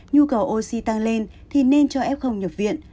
nhu cầu oxy tăng lên thì nên cho f nhập viện